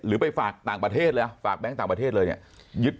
หรือไปฝากต่างประเทศเลยฝากแบงค์ต่างประเทศเลย